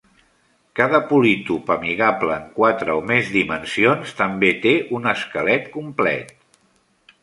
Cada polítop amigable en quatre o més dimensions també té un esquelet complet.